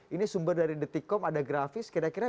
ini sumber dari detikom ada grafis kira kira